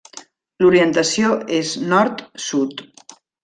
L'orientació és nord-sud.